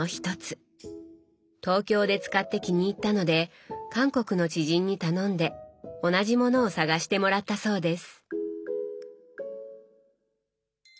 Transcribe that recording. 東京で使って気に入ったので韓国の知人に頼んで同じものを探してもらったそうです。